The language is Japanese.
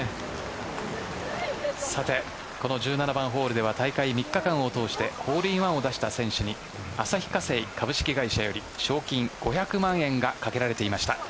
この１７番ホールでは大会３日間を通してホールインワンを出した選手に旭化成株式会社より賞金５００万円が懸けられていました。